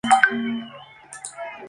Cada diagrama define un no terminal.